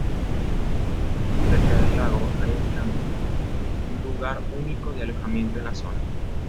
Cerca del lago, hay un camping, un lugar único de alojamiento en la zona.